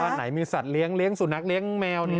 บ้านไหนมีสัตว์เลี้ยงเลี้ยงสู่นักเลี้ยงแมวนี่